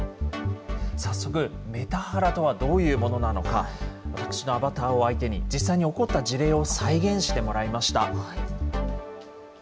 早速、メタハラとはどういうものなのか、私のアバターを相手に、実際に起こった事例を再現してもらいました。